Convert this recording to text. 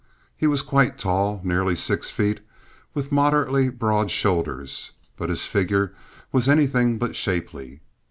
He was quite tall, nearly six feet, with moderately broad shoulders, but his figure was anything but shapely.